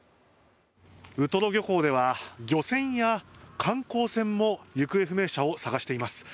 ウトロ漁港では漁船や観光船も行方不明者を捜しています。